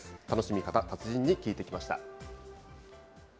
楽しみ方、達人に聞いてきました。